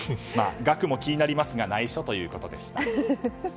額も気になりますが内緒ということでした。